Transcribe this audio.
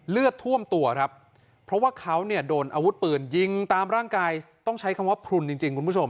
เลือดท่วมตัวครับเพราะว่าเขาเนี่ยโดนอาวุธปืนยิงตามร่างกายต้องใช้คำว่าพลุนจริงคุณผู้ชม